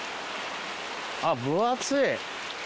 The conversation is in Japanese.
あっ分厚い。